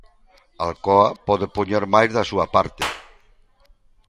Alcoa pode poñer máis da súa parte.